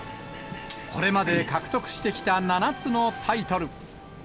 これまで獲得してきた７つのタイトル。